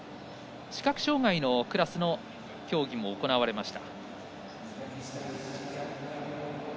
視覚障がいのクラスの競技も行われました。